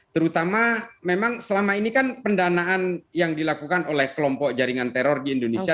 terutama memang selama ini kan pendanaan yang dilakukan oleh kelompok jaringan teror di indonesia